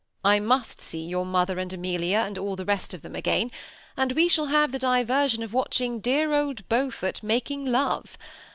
" I must see your mother and Amelia and all the rQst of them again, and we shall have the diversion of watching dear old Beaufort making love.